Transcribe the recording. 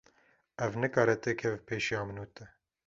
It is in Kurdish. Ev nikare têkeve pêşiya min û te.